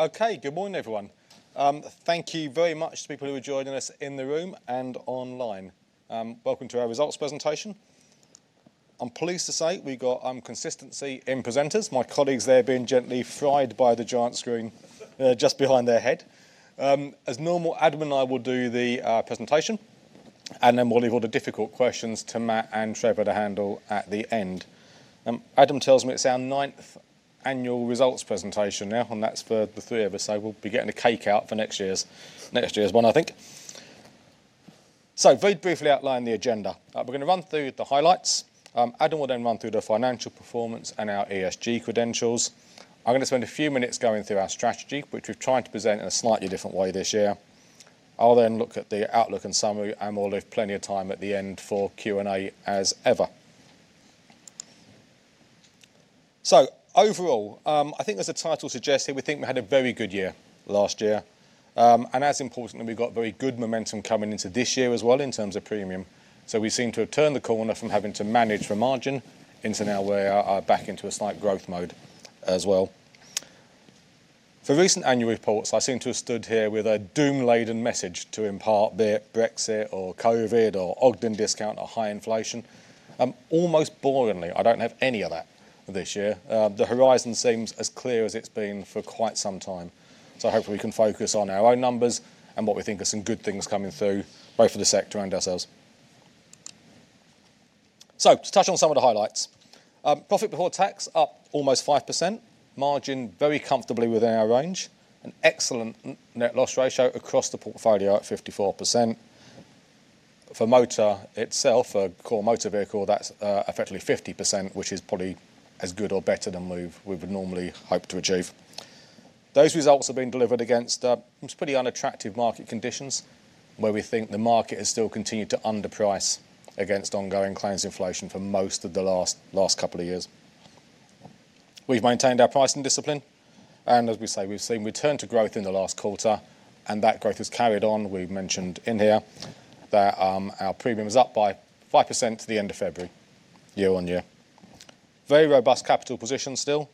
Okay. Good morning, everyone. Thank you very much to people who are joining us in the room and online. Welcome to our results presentation. I'm pleased to say we got consistency in presenters. My colleagues there are being gently fried by the giant screen just behind their head. As normal, Adam and I will do the presentation, and then we'll leave all the difficult questions to Matt and Trevor to handle at the end. Adam tells me it's our ninth annual results presentation now, and that's for the three of us. We'll be getting a cake out for next year's one, I think. Very briefly outline the agenda. We're gonna run through the highlights. Adam will then run through the financial performance and our ESG credentials. I'm gonna spend a few minutes going through our strategy, which we've tried to present in a slightly different way this year. I'll then look at the outlook and summary, and we'll leave plenty of time at the end for Q&A as ever. Overall, I think as the title suggests here, we think we had a very good year last year. And as importantly, we've got very good momentum coming into this year as well in terms of premium. We seem to have turned the corner from having to manage for margin into now we are back into a slight growth mode as well. For recent annual reports, I seem to have stood here with a doom-laden message to impart be it Brexit or COVID or Ogden discount or high inflation. Almost boringly, I don't have any of that this year. The horizon seems as clear as it's been for quite some time. Hopefully we can focus on our own numbers and what we think are some good things coming through, both for the sector and ourselves. To touch on some of the highlights. Profit before tax up almost 5%. Margin very comfortably within our range, and excellent net loss ratio across the portfolio at 54%. For motor itself, core motor vehicle, that's effectively 50%, which is probably as good or better than we would normally hope to achieve. Those results have been delivered against just pretty unattractive market conditions, where we think the market has still continued to underprice against ongoing claims inflation for most of the last couple of years. We've maintained our pricing discipline, and as we say, we've seen return to growth in the last quarter, and that growth has carried on. We've mentioned in here that our premium is up by 5% to the end of February, year on year. Very robust capital position still.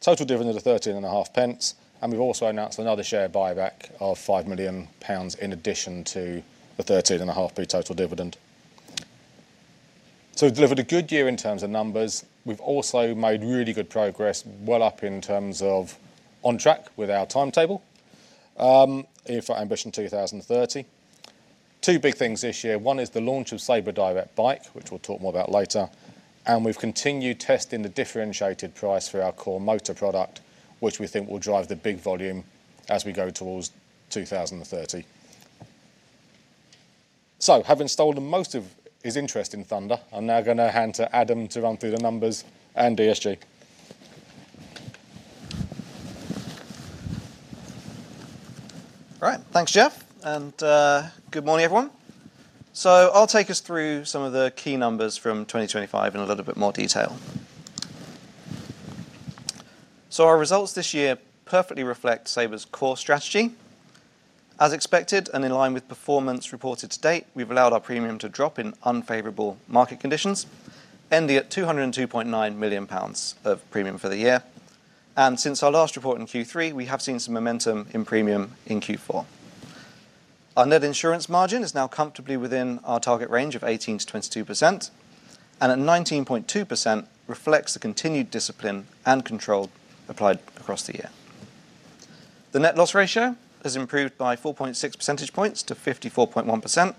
Total dividend of 13.5, and we've also announced another share buyback of 5 million pounds in addition to the 13.5 total dividend. We've delivered a good year in terms of numbers. We've also made really good progress well up in terms of on track with our timetable here for Ambition 2030. Two big things this year. One is the launch of Sabre Direct Bike, which we'll talk more about later. We've continued testing the differentiated price for our core motor product, which we think will drive the big volume as we go towards 2030. Having stolen most of his interest and thunder, I'm now gonna hand to Adam to run through the numbers and ESG. All right. Thanks, Geoff, and good morning, everyone. I'll take us through some of the key numbers from 2025 in a little bit more detail. Our results this year perfectly reflect Sabre's core strategy. As expected and in line with performance reported to date, we've allowed our premium to drop in unfavorable market conditions, ending at 202.9 million pounds of premium for the year. Since our last report in Q3, we have seen some momentum in premium in Q4. Our net insurance margin is now comfortably within our target range of 18%-22%, and at 19.2% reflects the continued discipline and control applied across the year. The net loss ratio has improved by 4.6 percentage points to 54.1%,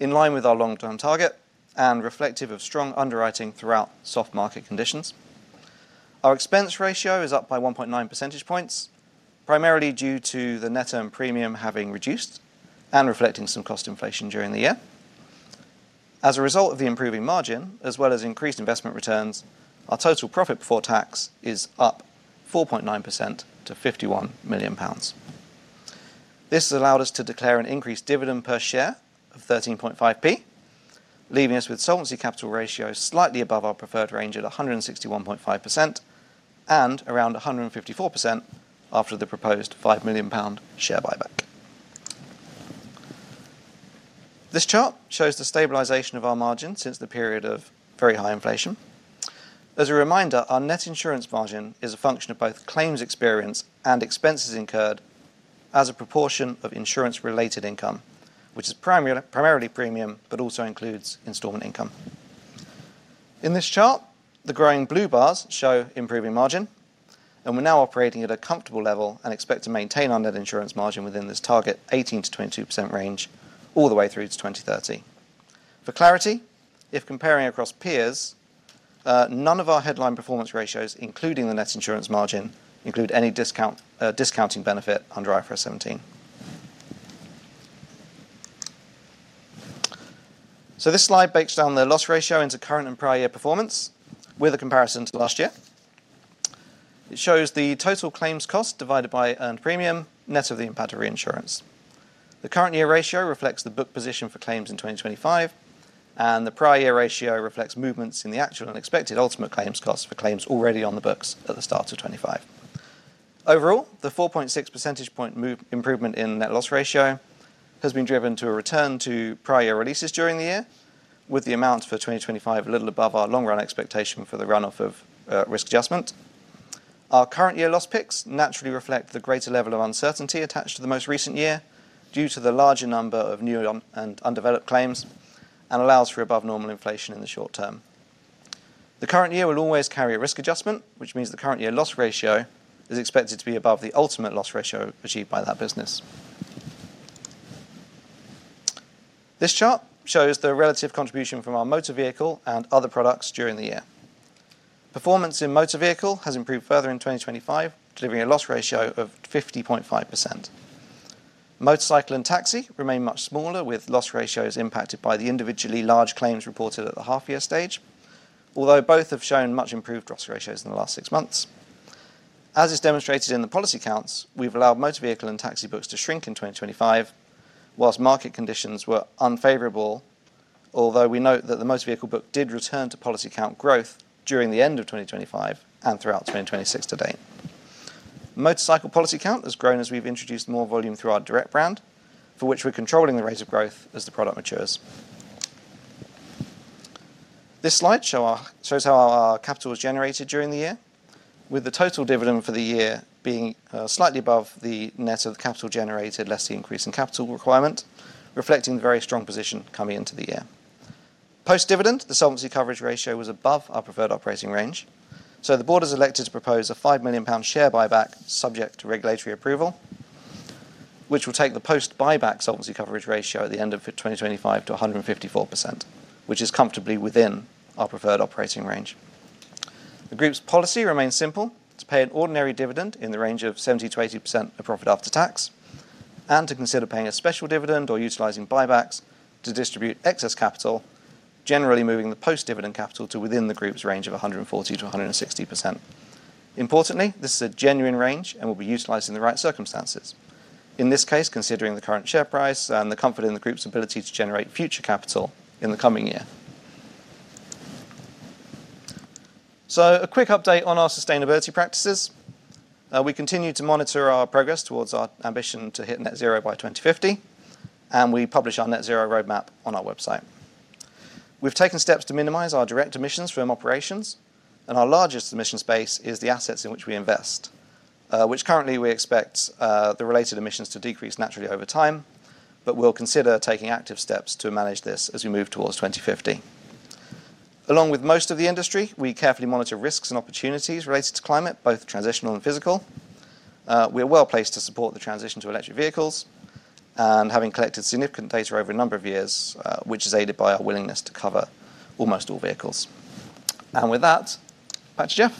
in line with our long-term target and reflective of strong underwriting throughout soft market conditions. Our expense ratio is up by 1.9 percentage points, primarily due to the net term premium having reduced and reflecting some cost inflation during the year. As a result of the improving margin, as well as increased investment returns, our total profit before tax is up 4.9% to 51 million pounds. This has allowed us to declare an increased dividend per share of 13.5, leaving us with solvency capital ratio slightly above our preferred range at 161.5% and around 154% after the proposed 5 million pound share buyback. This chart shows the stabilization of our margin since the period of very high inflation. As a reminder, our net insurance margin is a function of both claims experience and expenses incurred as a proportion of insurance-related income, which is primarily premium, but also includes installment income. In this chart, the growing blue bars show improving margin, and we're now operating at a comfortable level and expect to maintain our net insurance margin within this target 18%-22% range all the way through to 2030. For clarity, if comparing across peers, none of our headline performance ratios, including the net insurance margin, include any discounting benefit under IFRS 17. This slide breaks down the loss ratio into current and prior year performance with a comparison to last year. It shows the total claims cost divided by earned premium, net of the impact of reinsurance. The current year ratio reflects the book position for claims in 2025, and the prior year ratio reflects movements in the actual and expected ultimate claims costs for claims already on the books at the start of 2025. Overall, the 4.6 percentage point improvement in net loss ratio has been driven by a return of prior year releases during the year, with the amount for 2025 a little above our long-run expectation for the run-off of risk adjustment. Our current year loss picks naturally reflect the greater level of uncertainty attached to the most recent year due to the larger number of new and undeveloped claims and allows for above normal inflation in the short term. The current year will always carry a risk adjustment, which means the current year loss ratio is expected to be above the ultimate loss ratio achieved by that business. This chart shows the relative contribution from our motor vehicle and other products during the year. Performance in motor vehicle has improved further in 2025, delivering a loss ratio of 50.5%. Motorcycle and taxi remain much smaller, with loss ratios impacted by the individually large claims reported at the half year stage. Although both have shown much improved loss ratios in the last six months. As is demonstrated in the policy counts, we've allowed motor vehicle and taxi books to shrink in 2025 while market conditions were unfavorable. Although we note that the motor vehicle book did return to policy count growth during the end of 2025 and throughout 2026 to date. Motorcycle policy count has grown as we've introduced more volume through our direct brand, for which we're controlling the rate of growth as the product matures. This slide shows how our capital was generated during the year, with the total dividend for the year being slightly above the net of the capital generated, less the increase in capital requirement, reflecting the very strong position coming into the year. Post-dividend, the solvency coverage ratio was above our preferred operating range. The board has elected to propose a 5 million pound share buyback subject to regulatory approval, which will take the post-buyback solvency coverage ratio at the end of 2025 to 154%, which is comfortably within our preferred operating range. The group's policy remains simple. To pay an ordinary dividend in the range of 70%-80% of profit after tax, and to consider paying a special dividend or utilizing buybacks to distribute excess capital, generally moving the post-dividend capital to within the group's range of 140%-160%. Importantly, this is a genuine range and will be utilized in the right circumstances. In this case, considering the current share price and the comfort in the group's ability to generate future capital in the coming year. A quick update on our sustainability practices. We continue to monitor our progress towards our ambition to hit Net Zero by 2050, and we publish our Net Zero roadmap on our website. We've taken steps to minimize our direct emissions from operations, and our largest emissions base is the assets in which we invest. Which currently we expect, the related emissions to decrease naturally over time, but we'll consider taking active steps to manage this as we move towards 2050. Along with most of the industry, we carefully monitor risks and opportunities related to climate, both transitional and physical. We are well-placed to support the transition to electric vehicles and having collected significant data over a number of years, which is aided by our willingness to cover almost all vehicles. With that, back to Geoff.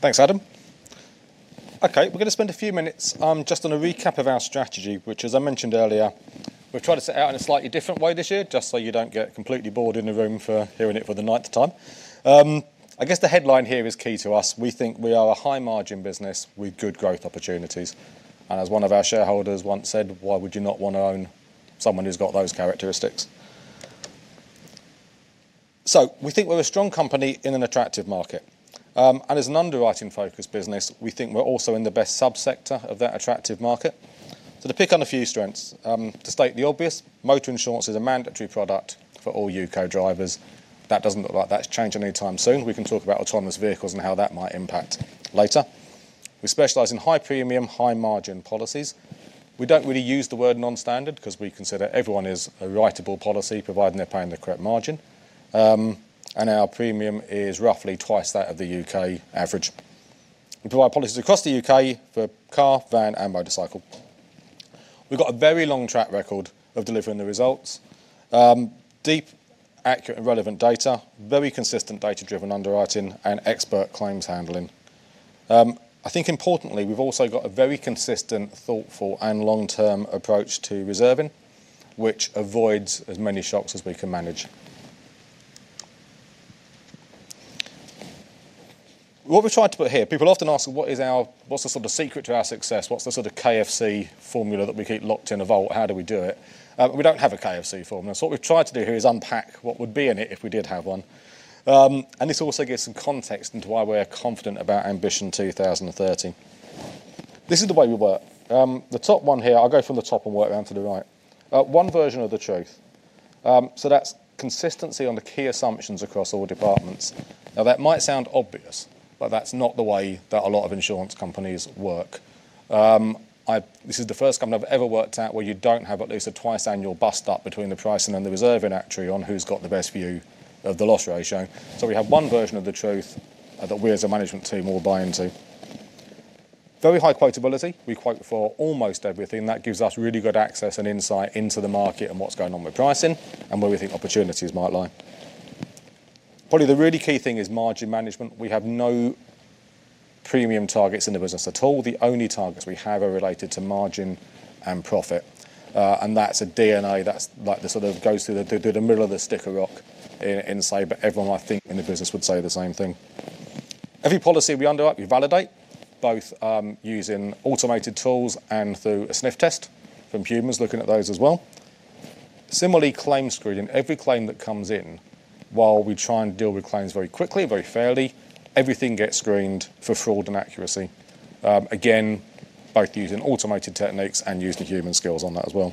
Thanks, Adam. Okay, we're gonna spend a few minutes, just on a recap of our strategy, which as I mentioned earlier, we've tried to set out in a slightly different way this year, just so you don't get completely bored in the room for hearing it for the ninth time. I guess the headline here is key to us. We think we are a high margin business with good growth opportunities, and as one of our shareholders once said, "Why would you not wanna own someone who's got those characteristics?" We think we're a strong company in an attractive market. As an underwriting-focused business, we think we're also in the best subsector of that attractive market. To pick on a few strengths, to state the obvious, motor insurance is a mandatory product for all U.K. drivers. That doesn't look like that's changing anytime soon. We can talk about autonomous vehicles and how that might impact later. We specialize in high premium, high margin policies. We don't really use the word non-standard 'cause we consider everyone is a writable policy, providing they're paying the correct margin. Our premium is roughly twice that of the U.K. average. We provide policies across the U.K. for car, van, and motorcycle. We've got a very long track record of delivering the results. Deep, accurate, and relevant data, very consistent data-driven underwriting, and expert claims handling. I think importantly, we've also got a very consistent, thoughtful, and long-term approach to reserving, which avoids as many shocks as we can manage. What we've tried to put here, people often ask what's the sort of secret to our success? What's the sort of KFC formula that we keep locked in a vault? How do we do it? We don't have a KFC formula. What we've tried to do here is unpack what would be in it if we did have one. This also gives some context into why we're confident about Ambition 2030. This is the way we work. The top one here, I'll go from the top and work around to the right. One version of the truth. That's consistency on the key assumptions across all departments. Now, that might sound obvious, but that's not the way that a lot of insurance companies work. This is the first company I've ever worked at where you don't have at least a twice annual bust-up between the pricing and the reserving actuary on who's got the best view of the loss ratio. We have one version of the truth, that we as a management team all buy into. Very high quotability. We quote for almost everything. That gives us really good access and insight into the market and what's going on with pricing and where we think opportunities might lie. Probably the really key thing is margin management. We have no premium targets in the business at all. The only targets we have are related to margin and profit. That's a DNA that's like the sort of goes through the middle of the stick of rock inside, but everyone I think in the business would say the same thing. Every policy we underwrite, we validate both using automated tools and through a sniff test from humans looking at those as well. Similarly, claim screening. Every claim that comes in, while we try and deal with claims very quickly, very fairly, everything gets screened for fraud and accuracy. Again, both using automated techniques and using human skills on that as well.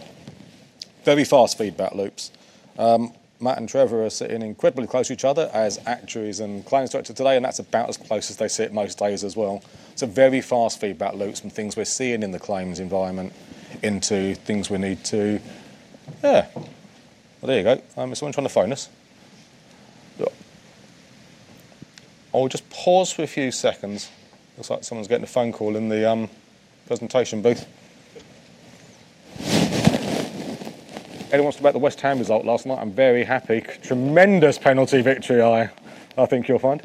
Very fast feedback loops. Matt and Trevor are sitting incredibly close to each other as actuaries and Claims Director today, and that's about as close as they sit most days as well. Some very fast feedback loops from things we're seeing in the claims environment into things we need to. Yeah. Well, there you go. Someone's trying to phone us. I'll just pause for a few seconds. Looks like someone's getting a phone call in the presentation booth. Anyone wants to about the West Ham result last night, I'm very happy. Tremendous penalty victory, I think you'll find.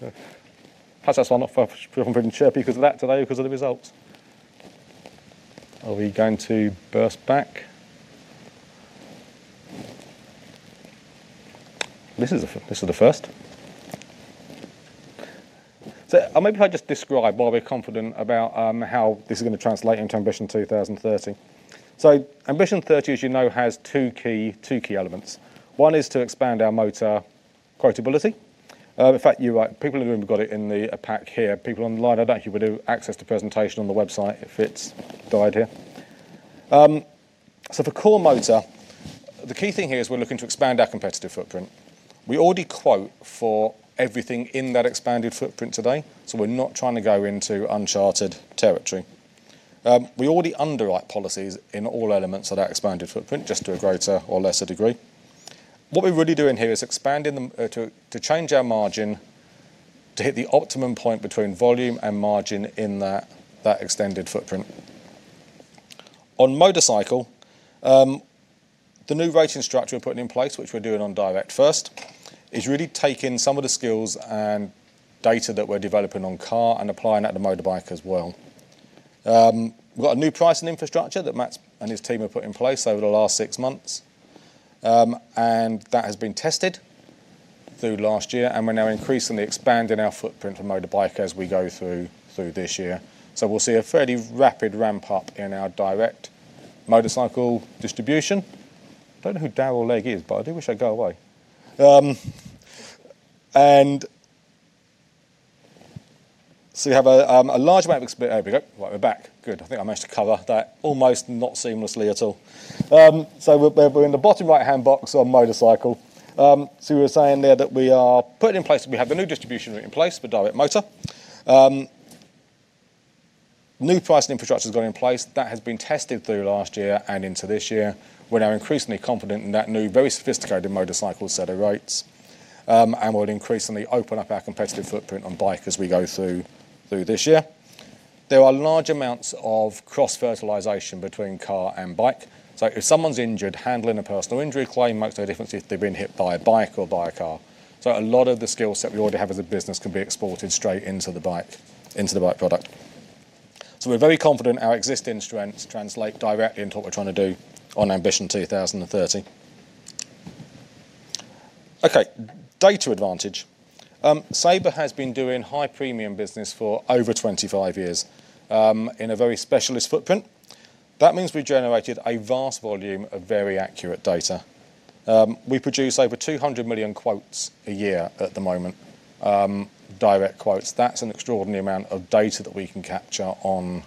Perhaps that's why I'm not feeling very chirpy because of that today because of the result. Are we going to burst back? This is a first. Maybe if I just describe why we're confident about how this is gonna translate into Ambition 2030. Ambition 2030, as you know, has two key elements. One is to expand our motor quotability. In fact, you're right, people in the room have got it in the pack here. People online, I doubt you'll have access to presentation on the website if it's uploaded. For core motor, the key thing here is we're looking to expand our competitive footprint. We already quote for everything in that expanded footprint today, so we're not trying to go into uncharted territory. We already underwrite policies in all elements of that expanded footprint, just to a greater or lesser degree. What we're really doing here is expanding them to change our margin to hit the optimum point between volume and margin in that extended footprint. On motorcycle, the new rating structure we're putting in place, which we're doing on direct first, is really taking some of the skills and data that we're developing on car and applying that to motorbike as well. We've got a new pricing infrastructure that Matt and his team have put in place over the last six months. That has been tested through last year, and we're now increasingly expanding our footprint on motorbike as we go through this year. We'll see a fairly rapid ramp-up in our direct motorcycle distribution. Don't know who [Daryl Legg] is, but I do wish they'd go away. There we go. Right, we're back. Good. I think I managed to cover that almost not seamlessly at all. We're in the bottom right-hand box on motorcycle. We were saying there that we have the new distribution in place for direct motor. New pricing infrastructure has gone in place. That has been tested through last year and into this year. We're now increasingly confident in that new, very sophisticated motorcycle set of rates, and we'll increasingly open up our competitive footprint on bike as we go through this year. There are large amounts of cross-fertilization between car and bike. If someone's injured handling a personal injury claim, makes no difference if they've been hit by a bike or by a car. A lot of the skill set we already have as a business can be exported straight into the bike product. We're very confident our existing strengths translate directly into what we're trying to do on Ambition 2030. Okay. Data advantage. Sabre has been doing high-premium business for over 25 years in a very specialist footprint. That means we've generated a vast volume of very accurate data. We produce over 200 million quotes a year at the moment, direct quotes. That's an extraordinary amount of data that we can capture on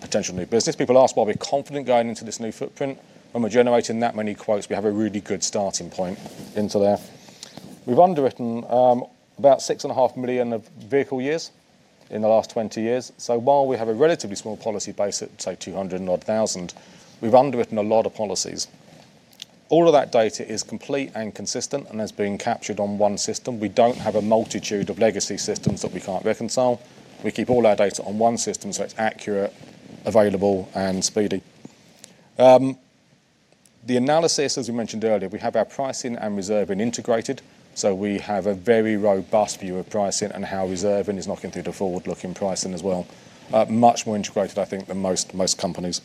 potential new business. People ask why we're confident going into this new footprint. When we're generating that many quotes, we have a really good starting point into there. We've underwritten about 6.5 million vehicle years in the last 20 years. While we have a relatively small policy base at, say, 200-odd thousand, we've underwritten a lot of policies. All of that data is complete and consistent and has been captured on one system. We don't have a multitude of legacy systems that we can't reconcile. We keep all our data on one system, so it's accurate, available, and speedy. The analysis, as we mentioned earlier, we have our pricing and reserving integrated, so we have a very robust view of pricing and how reserving is knocking through to forward-looking pricing as well. Much more integrated, I think, than most companies.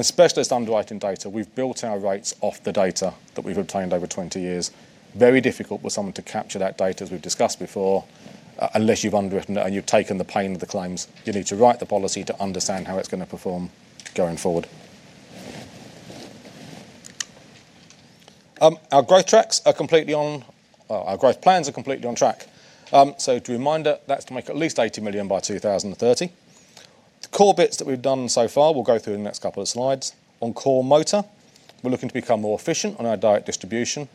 Specialist underwriting data. We've built our rates off the data that we've obtained over 20 years. Very difficult for someone to capture that data, as we've discussed before, unless you've underwritten it and you've taken the pain of the claims. You need to write the policy to understand how it's gonna perform going forward. Our growth plans are completely on track. As a reminder, that's to make at least 80 million by 2030. The core bits that we've done so far, we'll go through in the next couple of slides. On core motor, we're looking to become more efficient on our direct distribution.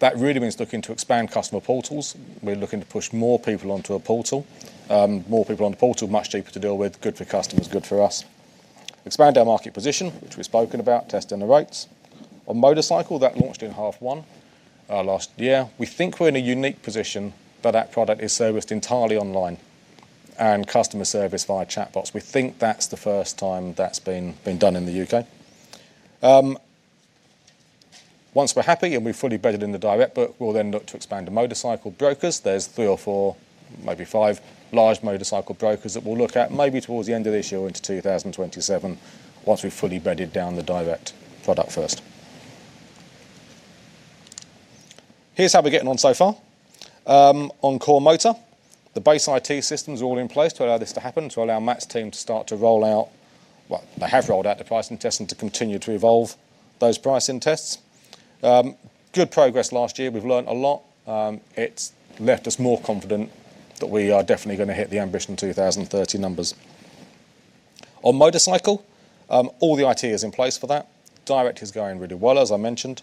That really means looking to expand customer portals. We're looking to push more people onto a portal. More people on the portal, much cheaper to deal with. Good for customers, good for us. Expand our market position, which we've spoken about, testing the rates. On motorcycle, that launched in H1 last year. We think we're in a unique position that product is serviced entirely online and customer service via chatbots. We think that's the first time that's been done in the U.K. Once we're happy and we're fully bedded in the direct book, we'll then look to expand to motorcycle brokers. There's 3 or 4, maybe 5 large motorcycle brokers that we'll look at maybe towards the end of this year or into 2027 once we've fully bedded down the direct product first. Here's how we're getting on so far. On core motor, the base IT systems are all in place to allow this to happen, to allow Matt's team to start to roll out. Well, they have rolled out the pricing tests and to continue to evolve those pricing tests. Good progress last year. We've learned a lot. It's left us more confident that we are definitely gonna hit the Ambition 2030 numbers. On motorcycle, all the IT is in place for that. Direct is going really well, as I mentioned.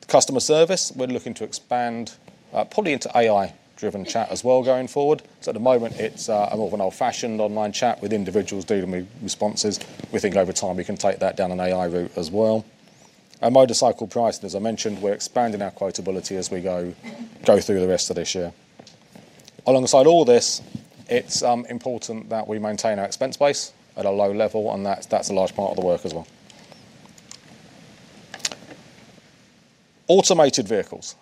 The customer service, we're looking to expand, probably into AI-driven chat as well going forward. At the moment, it's more of an old-fashioned online chat with individuals dealing with responses. We think over time, we can take that down an AI route as well. Our motorcycle pricing, as I mentioned, we're expanding our quotability as we go through the rest of this year. Alongside all this, it's important that we maintain our expense base at a low level, and that's a large part of the work as well. Automated vehicles.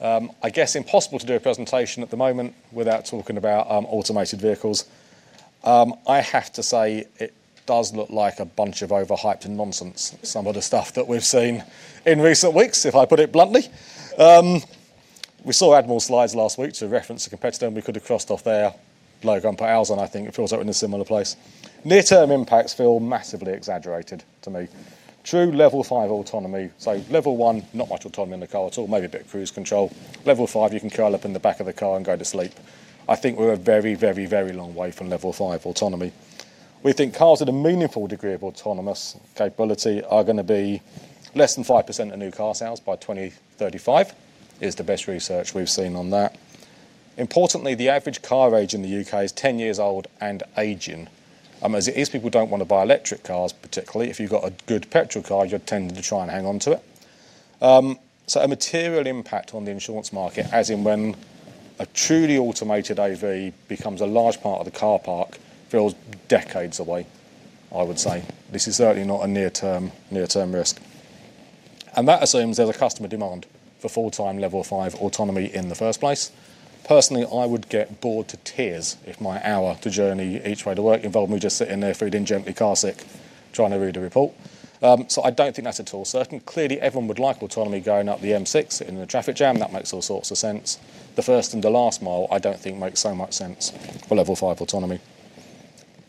It's impossible to do a presentation at the moment without talking about automated vehicles. I have to say it does look like a bunch of overhyped nonsense, some of the stuff that we've seen in recent weeks, if I put it bluntly. We saw Admiral's slides last week to reference the competitor, and we could have crossed off their logo and ours], and I think it feels like we're in a similar place. Near-term impacts feel massively exaggerated to me. True Level 5 autonomy. So Level 1, not much autonomy in the car at all, maybe a bit of cruise control. Level 5, you can curl up in the back of the car and go to sleep. I think we're a very long way from Level 5 autonomy. We think cars at a meaningful degree of autonomous capability are gonna be less than 5% of new car sales by 2035, is the best research we've seen on that. Importantly, the average car age in the U.K. is 10 years old and aging. As it is, people don't want to buy electric cars, particularly. If you've got a good petrol car, you're tending to try and hang on to it. A material impact on the insurance market, as in when a truly automated AV becomes a large part of the car park, feels decades away, I would say. This is certainly not a near-term risk. That assumes there's a customer demand for full-time Level 5 autonomy in the first place. Personally, I would get bored to tears if my hour-long journey each way to work involved me just sitting there feeling gently car sick, trying to read a report. I don't think that's at all certain. Clearly, everyone would like autonomy going up the M6 in a traffic jam. That makes all sorts of sense. The first and the last mile I don't think makes so much sense for Level 5 autonomy.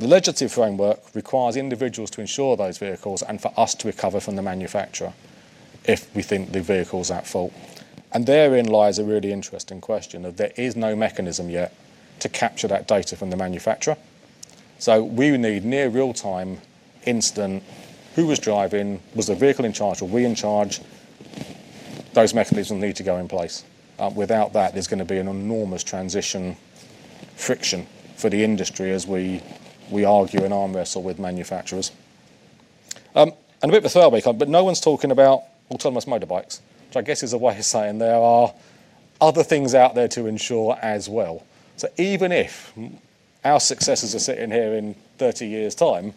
The legislative framework requires individuals to insure those vehicles and for us to recover from the manufacturer if we think the vehicle is at fault. Therein lies a really interesting question of there is no mechanism yet to capture that data from the manufacturer. We would need near real-time instant who was driving, was the vehicle in charge, or we in charge. Without that, there's gonna be an enormous transition friction for the industry as we argue and arm wrestle with manufacturers. A bit of a throwaway comment, but no one's talking about autonomous motorbikes. I guess is a way of saying there are other things out there to insure as well. Even if our successors are sitting here in 30 years' time,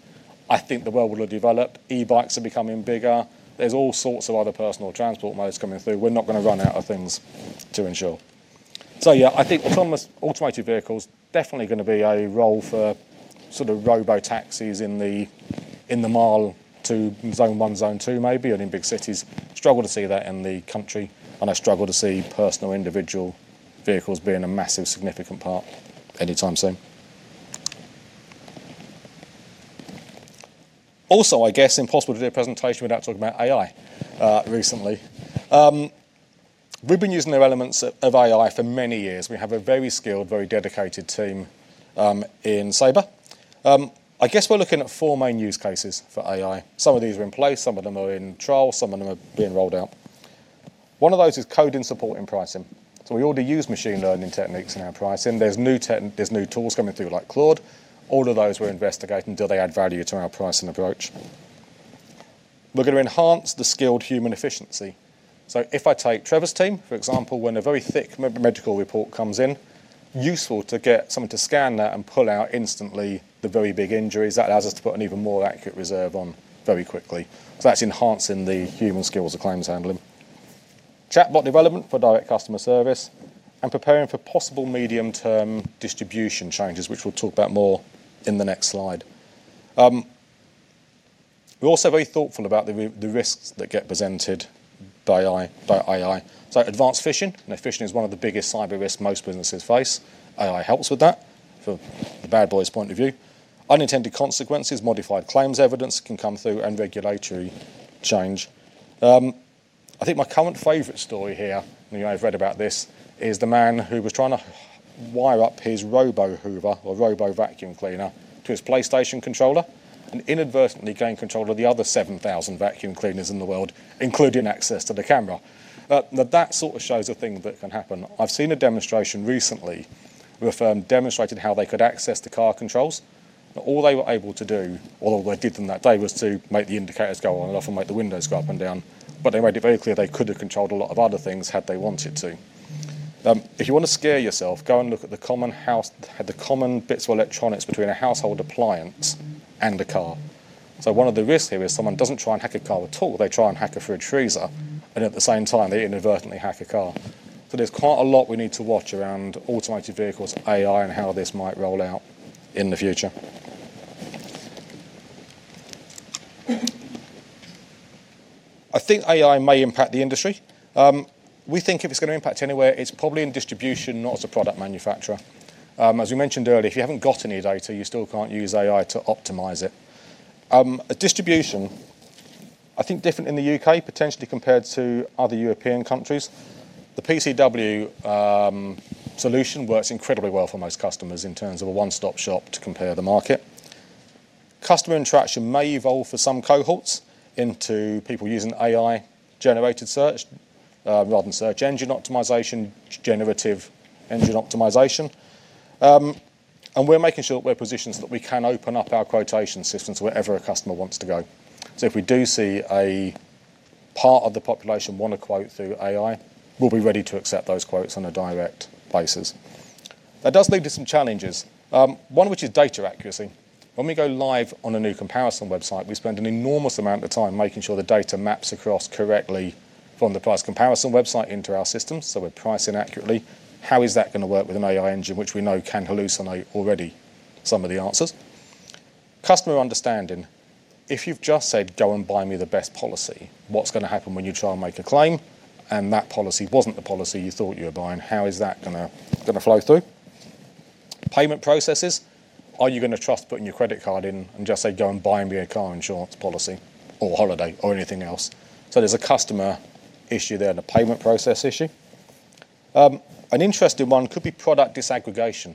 I think the world will have developed. E-bikes are becoming bigger. There's all sorts of other personal transport modes coming through. We're not gonna run out of things to insure. Yeah, I think autonomous automated vehicles definitely gonna be a role for sort of robo-taxis in the [M25], Zone 1, Zone 2 maybe, and in big cities. I struggle to see that in the country, and I struggle to see personal individual vehicles being a massive, significant part anytime soon. I guess impossible to do a presentation without talking about AI recently. We've been using the elements of AI for many years. We have a very skilled, very dedicated team in Sabre. I guess we're looking at four main use cases for AI. Some of these are in place, some of them are in trial, some of them are being rolled out. One of those is coding support and pricing. We already use machine learning techniques in our pricing. There's new tools coming through like Claude. All of those we're investigating. Do they add value to our pricing approach? We're gonna enhance the skilled human efficiency. If I take Trevor's team, for example, when a very thick medical report comes in, useful to get someone to scan that and pull out instantly the very big injuries. That allows us to put an even more accurate reserve on very quickly. That's enhancing the human skills of claims handling. Chatbot development for direct customer service and preparing for possible medium-term distribution changes, which we'll talk about more in the next slide. We're also very thoughtful about the risks that get presented by AI. Advanced phishing. You know, phishing is one of the biggest cyber risks most businesses face. AI helps with that from the bad guys' point of view. Unintended consequences, modified claims evidence can come through, and regulatory change. I think my current favorite story here, you know, I've read about this, is the man who was trying to wire up his robo-hoover or robo-vacuum cleaner to his PlayStation controller and inadvertently gained control of the other 7,000 vacuum cleaners in the world, including access to the camera. That sort of shows a thing that can happen. I've seen a demonstration recently where a firm demonstrated how they could access the car controls, but all they were able to do, all they did on that day, was to make the indicators go on and off and make the windows go up and down. They made it very clear they could have controlled a lot of other things had they wanted to. If you wanna scare yourself, go and look at the common bits of electronics between a household appliance and a car. One of the risks here is someone doesn't try and hack a car at all. They try and hack a fridge freezer, and at the same time, they inadvertently hack a car. There's quite a lot we need to watch around automated vehicles, AI, and how this might roll out in the future. I think AI may impact the industry. We think if it's gonna impact anywhere, it's probably in distribution, not as a product manufacturer. As we mentioned earlier, if you haven't got any data, you still can't use AI to optimize it. Distribution, I think different in the U.K. potentially compared to other European countries. The PCW solution works incredibly well for most customers in terms of a one-stop shop to compare the market. Customer interaction may evolve for some cohorts into people using AI-generated search rather than search engine optimization, generative engine optimization. We're making sure that we're positioned so that we can open up our quotation systems wherever a customer wants to go. If we do see a part of the population wanna quote through AI, we'll be ready to accept those quotes on a direct basis. That does lead to some challenges. One of which is data accuracy. When we go live on a new comparison website, we spend an enormous amount of time making sure the data maps across correctly from the price comparison website into our system, so we're pricing accurately. How is that gonna work with an AI engine, which we know can hallucinate already some of the answers? Customer understanding. If you've just said, "Go and buy me the best policy," what's gonna happen when you try and make a claim and that policy wasn't the policy you thought you were buying? How is that gonna flow through? Payment processes. Are you gonna trust putting your credit card in and just say, "Go and buy me a car insurance policy or holiday or anything else"? There's a customer issue there and a payment process issue. An interesting one could be product disaggregation.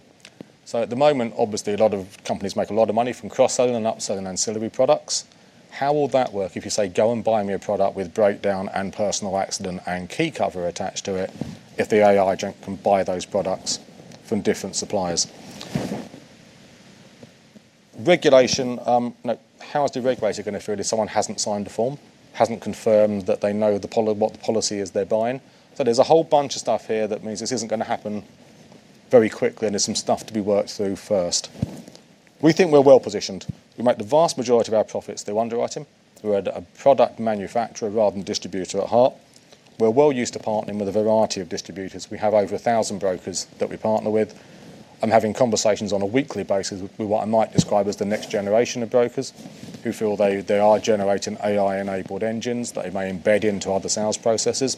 At the moment, obviously, a lot of companies make a lot of money from cross-selling and upselling ancillary products. How will that work if you say, "Go and buy me a product with breakdown and personal accident and key cover attached to it," if the AI agent can buy those products from different suppliers? Regulation. No. How is the regulator gonna feel if someone hasn't signed a form, hasn't confirmed that they know what the policy is they're buying? There's a whole bunch of stuff here that means this isn't gonna happen very quickly, and there's some stuff to be worked through first. We think we're well-positioned. We make the vast majority of our profits through underwriting. We're a product manufacturer rather than distributor at heart. We're well used to partnering with a variety of distributors. We have over a thousand brokers that we partner with and having conversations on a weekly basis with what I might describe as the next generation of brokers who feel they are generating AI-enabled engines that they may embed into other sales processes.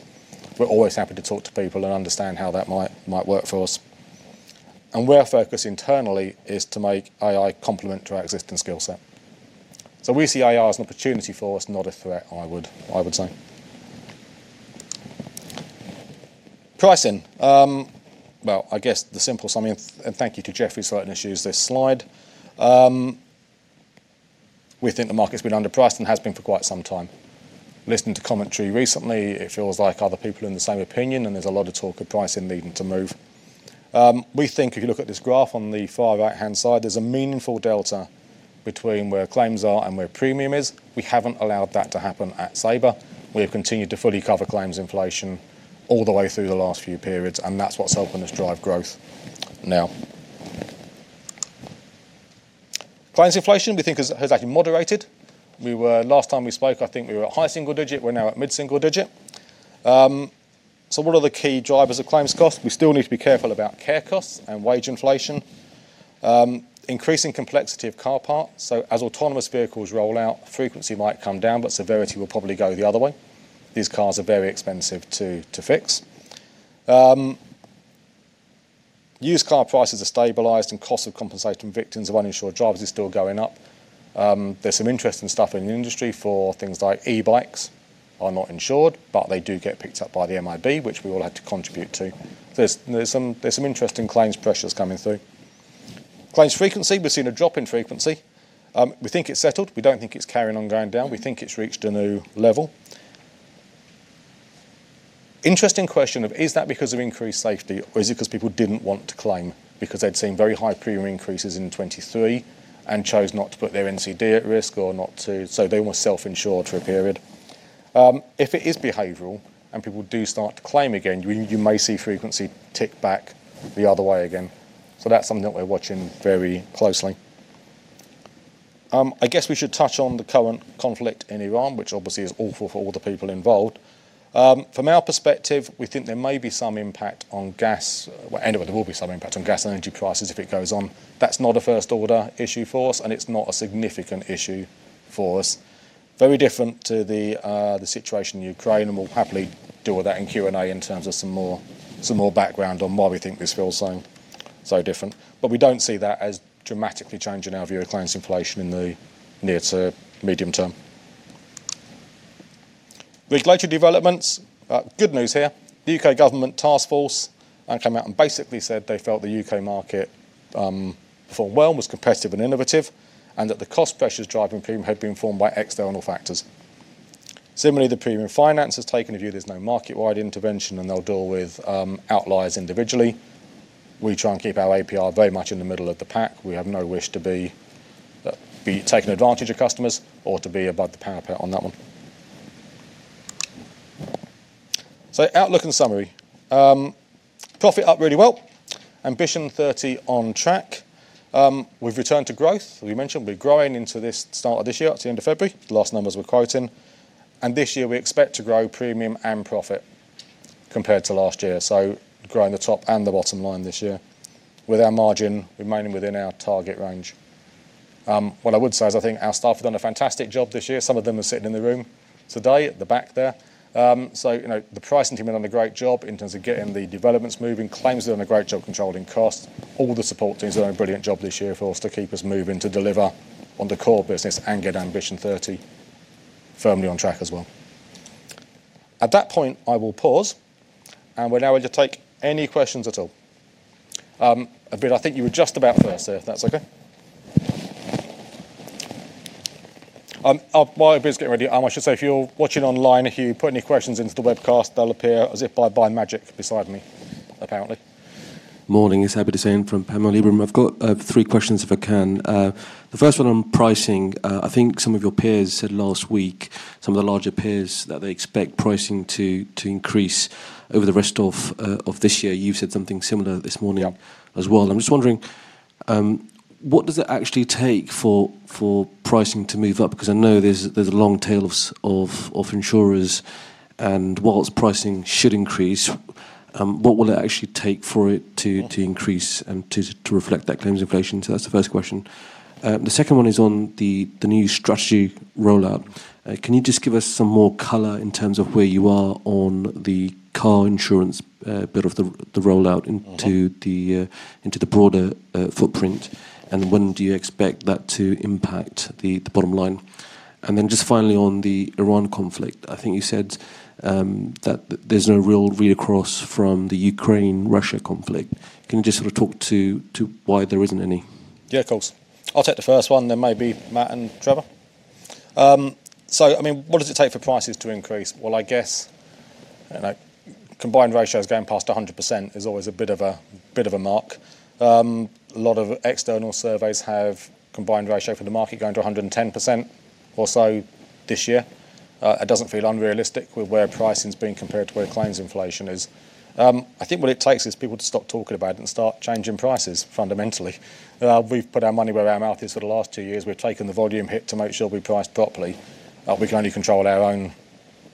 We're always happy to talk to people and understand how that might work for us. Where our focus internally is to make AI complement to our existing skill set. We see AI as an opportunity for us, not a threat, I would say. Pricing. Well, I guess the simplest. I mean, thank you to Jefferies for letting us use this slide. We think the market's been underpriced and has been for quite some time. Listening to commentary recently, it feels like other people are in the same opinion, and there's a lot of talk of pricing needing to move. We think if you look at this graph on the far right-hand side, there's a meaningful delta between where claims are and where premium is. We haven't allowed that to happen at Sabre. We have continued to fully cover claims inflation all the way through the last few periods, and that's what's helping us drive growth now. Claims inflation we think has actually moderated. Last time we spoke, I think we were at high single digit. We're now at mid-single digit. So what are the key drivers of claims cost? We still need to be careful about care costs and wage inflation. Increasing complexity of car parts. As autonomous vehicles roll out, frequency might come down, but severity will probably go the other way. These cars are very expensive to fix. Used car prices are stabilized and cost of compensating victims of uninsured drivers is still going up. There's some interesting stuff in the industry for things like e-bikes are not insured, but they do get picked up by the MIB, which we all had to contribute to. There's some interesting claims pressures coming through. Claims frequency. We've seen a drop in frequency. We think it's settled. We don't think it's carrying on going down. We think it's reached a new level. Interesting question of is that because of increased safety or is it 'cause people didn't want to claim because they'd seen very high premium increases in 2023 and chose not to put their NCD at risk or not to, so they were self-insured for a period? If it is behavioral and people do start to claim again, you may see frequency tick back the other way again. That's something that we're watching very closely. I guess we should touch on the current conflict in Iran, which obviously is awful for all the people involved. From our perspective, we think there may be some impact on gas. Well, anyway, there will be some impact on gas and energy prices if it goes on. That's not a first order issue for us, and it's not a significant issue for us. Very different to the situation in Ukraine, and we'll happily deal with that in Q&A in terms of some more background on why we think this feels so different. We don't see that as dramatically changing our view of claims inflation in the near to medium term. Regulatory developments. Good news here. The U.K. government task force came out and basically said they felt the U.K. market performed well, was competitive and innovative, and that the cost pressures driving premiums had been caused by external factors. Similarly, the FCA has taken a view there's no market-wide intervention, and they'll deal with outliers individually. We try and keep our APR very much in the middle of the pack. We have no wish to be taking advantage of customers or to be above the radar on that one. Outlook and summary. Profit up really well. Ambition 2030 on track. We've returned to growth. We mentioned we're growing into this start of this year at the end of February, the last numbers we're quoting. This year we expect to grow premium and profit compared to last year. Growing the top and the bottom line this year with our margin remaining within our target range. What I would say is I think our staff have done a fantastic job this year. Some of them are sitting in the room today at the back there. You know, the pricing team have done a great job in terms of getting the developments moving. Claims are doing a great job controlling costs. All the support teams are doing a brilliant job this year for us to keep us moving to deliver on the core business and get Ambition 2030 firmly on track as well. At that point, I will pause, and we're now able to take any questions at all. Abid, I think you were just about first there, if that's okay. While Abid's getting ready, I should say if you're watching online, if you put any questions into the webcast, they'll appear as if by magic beside me, apparently. Morning. It's Abid Hussain from Panmure Gordon. I've got three questions if I can. The first one on pricing. I think some of your peers said last week, some of the larger peers, that they expect pricing to increase over the rest of this year. You've said something similar this morning. Yeah as well. I'm just wondering, what does it actually take for pricing to move up? Because I know there's a long tail of of insurers. While pricing should increase, what will it actually take for it to increase and to reflect that claims inflation? That's the first question. The second one is on the new strategy rollout. Can you just give us some more color in terms of where you are on the car insurance bit of the rollout into the broader footprint? When do you expect that to impact the bottom line? Just finally on the Iran conflict. I think you said that there's no real read across from the Ukraine-Russia conflict. Can you just sort of talk to why there isn't any? Yeah, of course. I'll take the first one, then maybe Matt and Trevor. I mean, what does it take for prices to increase? Well, I guess, you know, combined ratios going past 100% is always a bit of a mark. A lot of external surveys have combined ratio for the market going to 110% or so this year. It doesn't feel unrealistic with where pricing's being compared to where claims inflation is. I think what it takes is people to stop talking about it and start changing prices fundamentally. We've put our money where our mouth is for the last two years. We've taken the volume hit to make sure we price properly. We can only control our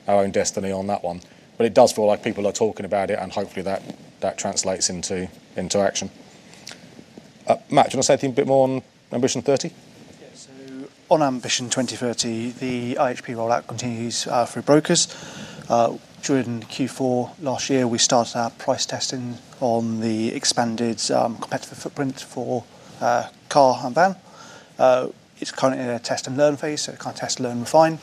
own destiny on that one. It does feel like people are talking about it, and hopefully that translates into action. Matt, do you wanna say a thing a bit more on Ambition 2030? Yeah. On Ambition 2030, the IHP rollout continues through brokers. During Q4 last year, we started our price testing on the expanded competitive footprint for car and van. It's currently in a test and learn phase, so kind of test, learn, refine.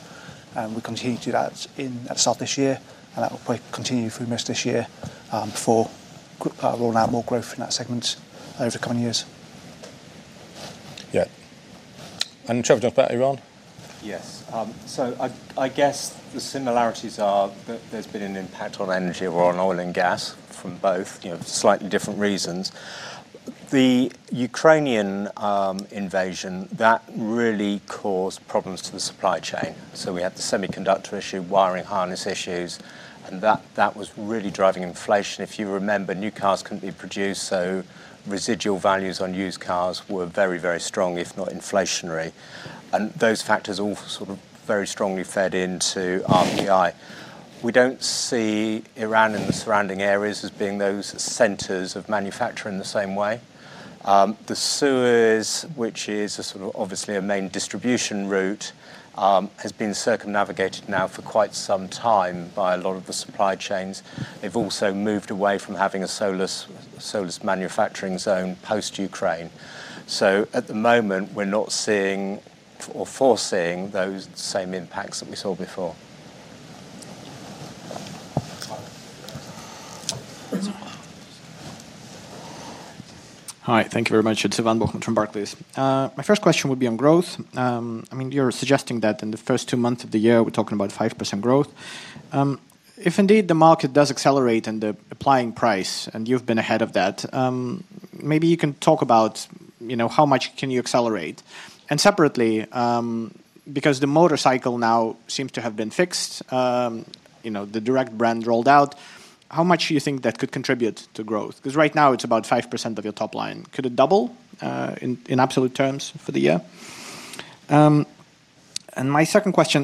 We continue to do that at the start of this year, and that will probably continue through most of this year before rolling out more growth in that segment over the coming years. Yeah. Trevor, jump in on Iran. Yes. So I guess the similarities are that there's been an impact on energy or on oil and gas from both, you know, slightly different reasons. The Ukrainian invasion that really caused problems to the supply chain. We had the semiconductor issue, wiring harness issues, and that was really driving inflation. If you remember, new cars couldn't be produced, so residual values on used cars were very, very strong, if not inflationary. Those factors all sort of very strongly fed into RPI. We don't see Iran and the surrounding areas as being those centers of manufacturing the same way. The Suez, which is a sort of obviously a main distribution route, has been circumnavigated now for quite some time by a lot of the supply chains. They've also moved away from having a sole source manufacturing zone post Ukraine. At the moment, we're not seeing or foreseeing those same impacts that we saw before. That's all. Mm-hmm. Hi. Thank you very much. It's Ivan Bokhmat from Barclays. My first question would be on growth. I mean, you're suggesting that in the first two months of the year, we're talking about 5% growth. If indeed the market does accelerate and they're applying price and you've been ahead of that, maybe you can talk about, you know, how much can you accelerate? Separately, because the motorcycle now seems to have been fixed, you know, the direct brand rolled out, how much do you think that could contribute to growth? 'Cause right now it's about 5% of your top line. Could it double in absolute terms for the year? My second question,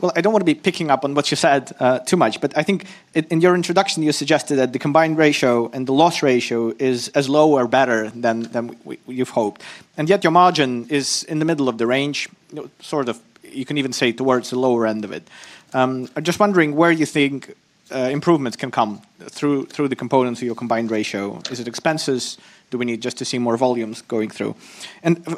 well, I don't wanna be picking up on what you said too much, but I think in your introduction, you suggested that the combined ratio and the loss ratio is as low or better than we've hoped. Yet your margin is in the middle of the range, you know, sort of, you can even say towards the lower end of it. I'm just wondering where you think improvements can come through the components of your combined ratio. Is it expenses? Do we need just to see more volumes going through?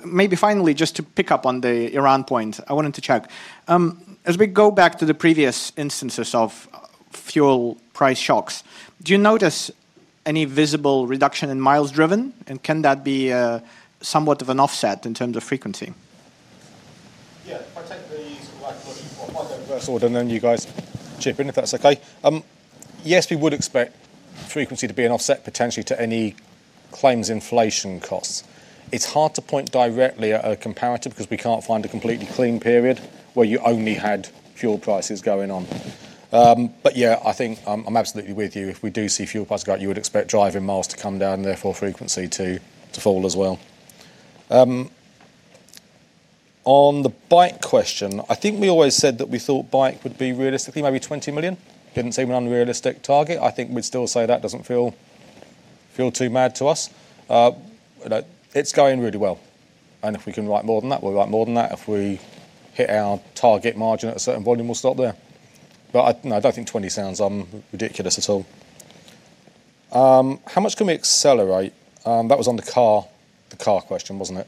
Maybe finally, just to pick up on the Iran point, I wanted to check. As we go back to the previous instances of fuel price shocks, do you notice any visible reduction in miles driven? Can that be somewhat of an offset in terms of frequency? Yeah. I'll take the sort of like more reverse order, and then you guys chip in, if that's okay. Yes, we would expect frequency to be an offset potentially to any claims inflation costs. It's hard to point directly at a comparative 'cause we can't find a completely clean period where you only had fuel prices going on. Yeah, I think I'm absolutely with you. If we do see fuel prices go up, you would expect driving miles to come down, therefore frequency to fall as well. On the bike question, I think we always said that we thought bike would be realistically maybe 20 million. Didn't seem an unrealistic target. I think we'd still say that doesn't feel too mad to us. You know, it's going really well. If we can write more than that, we'll write more than that. If we hit our target margin at a certain volume, we'll stop there. No, I don't think 20% sounds ridiculous at all. How much can we accelerate? That was on the car question, wasn't it?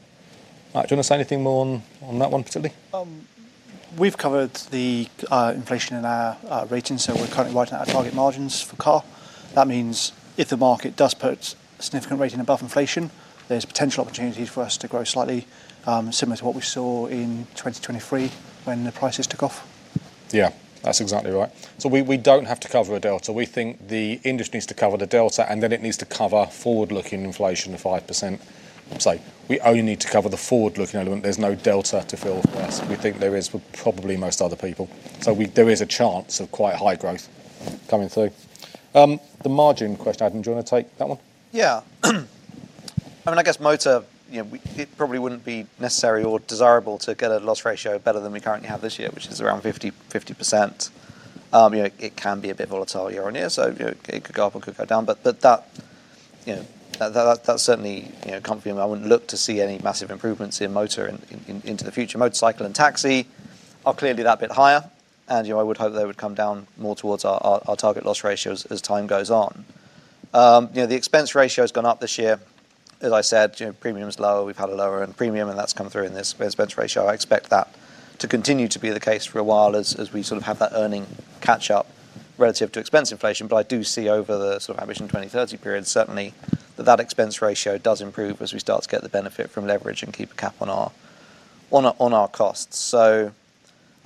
Do you wanna say anything more on that one particularly? We've covered the inflation in our ratings, so we're currently writing our target margins for car. That means if the market does put significant rating above inflation, there's potential opportunities for us to grow slightly, similar to what we saw in 2023 when the prices took off. Yeah, that's exactly right. We don't have to cover a delta. We think the industry needs to cover the delta, and then it needs to cover forward-looking inflation of 5%. We only need to cover the forward-looking element. There's no delta to fill for us. We think there is for probably most other people. There is a chance of quite high growth coming through. The margin question, Adam, do you wanna take that one? Yeah. I mean, I guess motor, you know, it probably wouldn't be necessary or desirable to get a loss ratio better than we currently have this year, which is around 50%. You know, it can be a bit volatile year on year, so, you know, it could go up or could go down. That, that's certainly, you know, comfy and I wouldn't look to see any massive improvements in motor into the future. Motorcycle and taxi are clearly that bit higher, and, you know, I would hope they would come down more towards our target loss ratios as time goes on. You know, the expense ratio has gone up this year. As I said, you know, premium's lower. We've had a lower end premium, and that's come through in this expense ratio. I expect that to continue to be the case for a while as we sort of have that earnings catch up relative to expense inflation. I do see over the sort of Ambition 2030 period, certainly, that expense ratio does improve as we start to get the benefit from leverage and keep a cap on our costs. I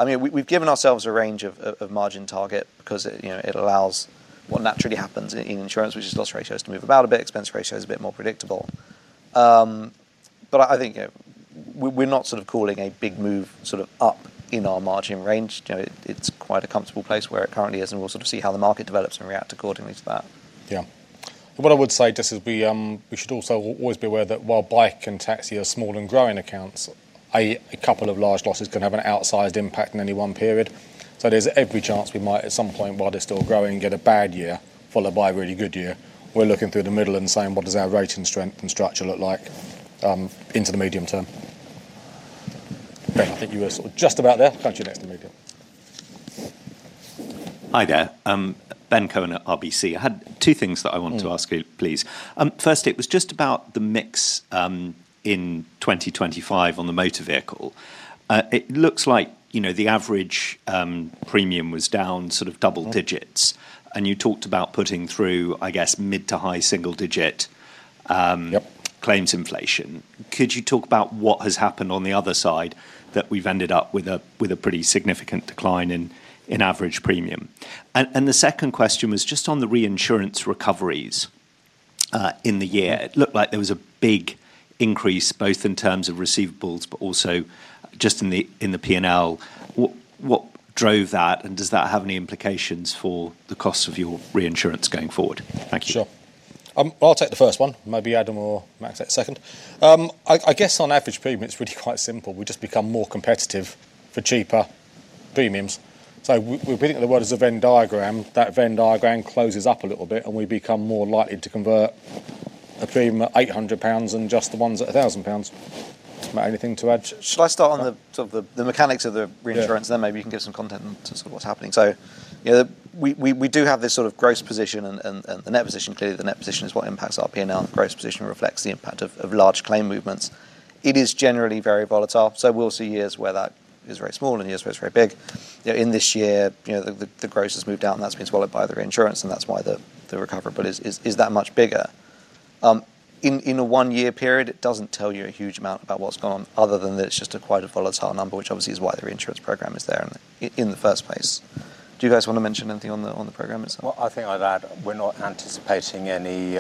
mean, we've given ourselves a range of margin target because it, you know, it allows what naturally happens in insurance, which is loss ratios to move about a bit. Expense ratio is a bit more predictable. I think, you know, we're not sort of calling a big move sort of up in our margin range. You know, it's quite a comfortable place where it currently is, and we'll sort of see how the market develops and react accordingly to that. Yeah. What I would say just is we should also always be aware that while bike and taxi are small and growing accounts, a couple of large losses can have an outsized impact in any one period. There's every chance we might at some point, while they're still growing, get a bad year followed by a really good year. We're looking through the middle and saying, "What does our rating strength and structure look like into the medium term?" Ben, I think you were sort of just about there. Come to you next in the room. Hi there. Ben Cohen at RBC. I had two things that I wanted to ask you, please. First, it was just about the mix, in 2025 on the motor vehicle. It looks like, you know, the average premium was down sort of double digits, and you talked about putting through, I guess, mid to high single digit. Yep Claims inflation. Could you talk about what has happened on the other side that we've ended up with a pretty significant decline in average premium? The second question was just on the reinsurance recoveries in the year. It looked like there was a big increase both in terms of receivables, but also just in the P&L. What drove that, and does that have any implications for the cost of your reinsurance going forward? Thank you. Sure. I'll take the first one. Maybe Adam or Matt that second. I guess on average premium, it's really quite simple. We just become more competitive for cheaper premiums. We're thinking of the world as a Venn diagram. That Venn diagram closes up a little bit, and we become more likely to convert a premium at 800 pounds than just the ones at 1,000 pounds. Matt, anything to add? Should I start on the mechanics of the reinsurance? Yeah Maybe you can give some content in terms of what's happening. You know, we do have this sort of gross position and the net position. Clearly, the net position is what impacts our P&L. The gross position reflects the impact of large claim movements. It is generally very volatile, so we'll see years where that is very small and years where it's very big. You know, in this year, you know, the gross has moved out, and that's been swallowed by the reinsurance, and that's why the recoverability is that much bigger. In a one-year period, it doesn't tell you a huge amount about what's gone on other than that it's just quite a volatile number, which obviously is why the reinsurance program is there in the first place. Do you guys wanna mention anything on the program itself? Well, I think I'd add we're not anticipating any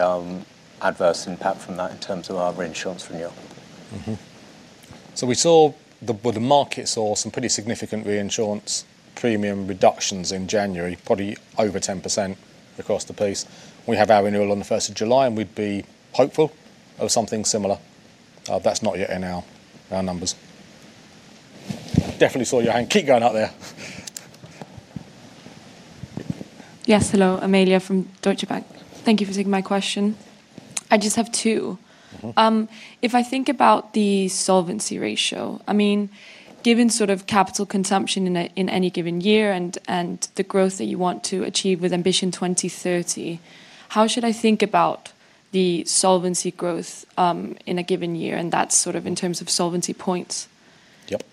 adverse impact from that in terms of our reinsurance renewal. Well, the market saw some pretty significant reinsurance premium reductions in January, probably over 10% across the piece. We have our renewal on the first of July, and we'd be hopeful of something similar. That's not yet in our numbers. Definitely saw your hand. Keep going up there. Yes. Hello. Amelia from Deutsche Bank. Thank you for taking my question. I just have two. Mm-hmm. If I think about the solvency ratio, I mean, given sort of capital consumption in any given year and the growth that you want to achieve with Ambition 2030, how should I think about the solvency growth in a given year, and that's sort of in terms of solvency points? Yep.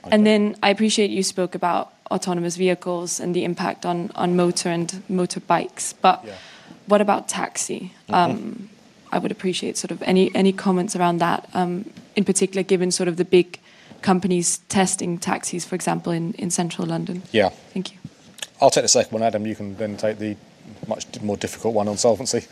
I appreciate you spoke about autonomous vehicles and the impact on motor and motorbikes. Yeah. What about taxi? Mm-hmm. I would appreciate sort of any comments around that, in particular, given sort of the big companies testing taxis, for example, in Central London. Yeah. Thank you. I'll take the second one. Adam, you can then take the much more difficult one on solvency.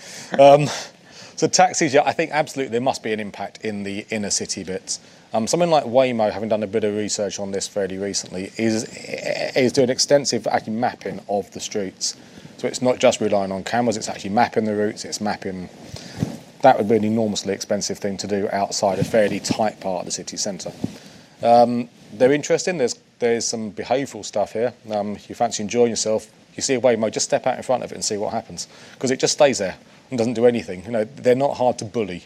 Taxis, yeah, I think absolutely there must be an impact in the inner city bits. Something like Waymo, having done a bit of research on this fairly recently, is doing extensive actually mapping of the streets. It's not just relying on cameras. It's actually mapping the routes. It's mapping. That would be an enormously expensive thing to do outside a fairly tight part of the city center. They're interesting. There's some behavioral stuff here. If you fancy enjoying yourself, you see a Waymo, just step out in front of it and see what happens, 'cause it just stays there and doesn't do anything. You know, they're not hard to bully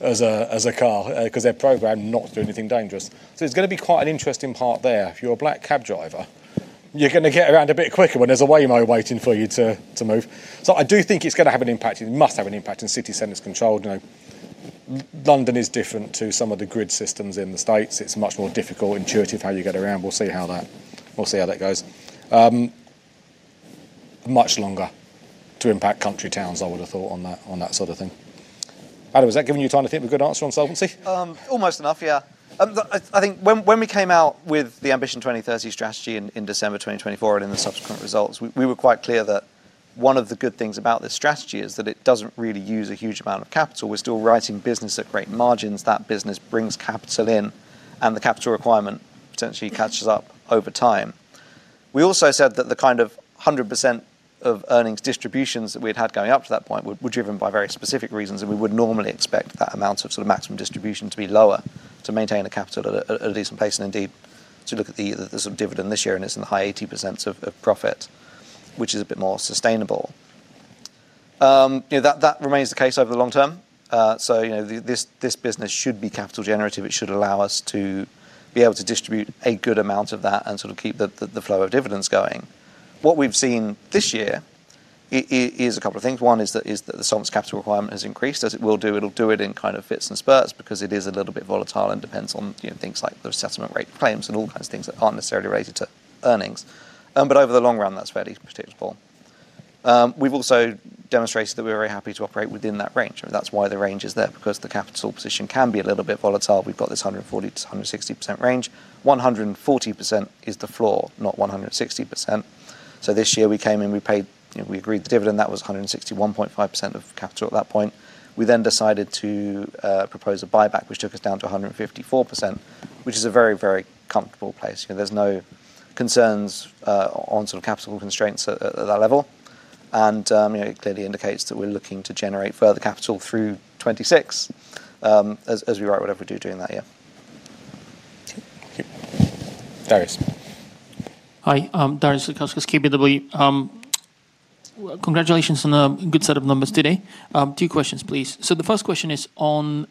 as a car, 'cause they're programmed not to do anything dangerous. It's gonna be quite an interesting part there. If you're a black cab driver, you're gonna get around a bit quicker when there's a Waymo waiting for you to move. I do think it's gonna have an impact. It must have an impact on city centers controlled. You know, London is different to some of the grid systems in the States. It's much more difficult, intuitive how you get around. We'll see how that goes. Much longer to impact country towns I would've thought on that sort of thing. Adam, has that given you time to think of a good answer on solvency? Almost enough, yeah. I think when we came out with the Ambition 2030 strategy in December 2024 and in the subsequent results, we were quite clear that one of the good things about this strategy is that it doesn't really use a huge amount of capital. We're still writing business at great margins. That business brings capital in, and the capital requirement potentially catches up over time. We also said that the kind of 100% of earnings distributions that we'd had going up to that point were driven by very specific reasons, and we would normally expect that amount of sort of maximum distribution to be lower to maintain the capital at a decent place and indeed to look at the sort of dividend this year and it's in the high 80s% of profit, which is a bit more sustainable. You know, that remains the case over the long term. You know, this business should be capital generative. It should allow us to be able to distribute a good amount of that and sort of keep the flow of dividends going. What we've seen this year is a couple of things. One is that the solvency capital requirement has increased as it will do. It'll do it in kind of fits and spurts because it is a little bit volatile and depends on, you know, things like the settlement rate claims and all kinds of things that aren't necessarily related to earnings. But over the long run, that's fairly predictable. We've also demonstrated that we're very happy to operate within that range. That's why the range is there, because the capital position can be a little bit volatile. We've got this 140-160% range. 140% is the floor, not 160%. This year we came in, we paid, you know, we agreed the dividend. That was 161.5% of capital at that point. We decided to propose a buyback, which took us down to 154%, which is a very, very comfortable place. You know, there's no concerns on sort of capital constraints at that level. You know, it clearly indicates that we're looking to generate further capital through 2026, as we write whatever we do during that year. Thank you, Darius. Hi, I'm Darius Satkauskas with KBW. Congratulations on a good set of numbers today. Two questions, please. The first question is on